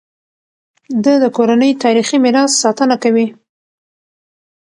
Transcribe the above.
ده د کورنۍ تاریخي میراث ساتنه کوي.